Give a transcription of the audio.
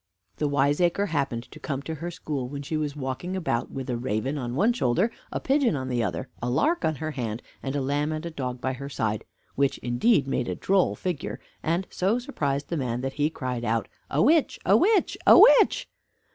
The wiseacre happened to come to her to school, when she was walking about with a raven on one shoulder, a pigeon on the other, a lark on her hand, and a lamb and a dog by her side; which indeed made a droll figure, and so surprised the man that he cried out, "A witch! a witch! a witch!"